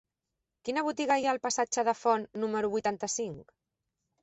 Quina botiga hi ha al passatge de Font número vuitanta-cinc?